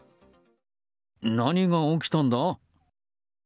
何が起きたんだ？